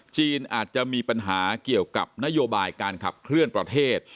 อาจจะมีปัญหาเกี่ยวกับนโยบายการขับเคลื่อนประเทศ